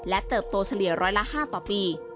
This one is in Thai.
เติบโตเฉลี่ยร้อยละ๕ต่อปี